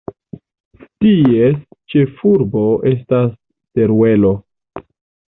Ties ĉefurbo estas Teruelo.